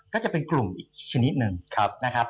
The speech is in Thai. ก็จะเป็นกลุ่มอีกชนิดหนึ่งนะครับ